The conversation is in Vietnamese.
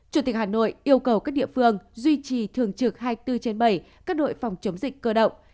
chủ tịch hà nội yêu cầu các địa phương duy trì thường trực hai mươi bốn trên bảy các đội phòng chống dịch cơ động